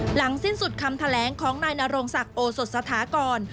หลังสิ้นสุดคำแถลงของนายนโรงศักดิ์โอสดสถากร